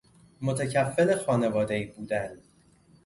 متکفل خانواده ای بودن